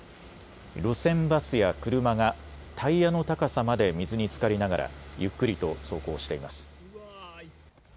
路線バスや車がタイヤの高さまで水につかりながらゆっくりと走行しています。